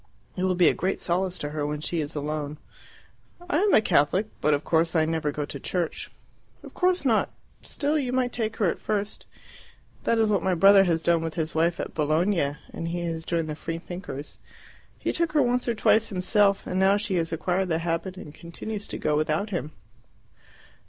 It will be a great solace to her when she is alone." "I am a Catholic, but of course I never go to church." "Of course not. Still, you might take her at first. That is what my brother has done with his wife at Bologna and he has joined the Free Thinkers. He took her once or twice himself, and now she has acquired the habit and continues to go without him."